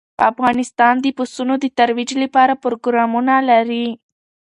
افغانستان د پسونو د ترویج لپاره پروګرامونه لري.